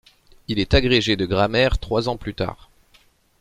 Il est agrégé de grammaire trois ans plus tard.